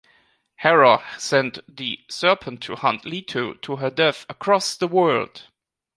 Hera sent the serpent to hunt Leto to her death across the world.